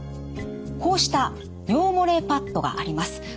こうした尿漏れパッドがあります。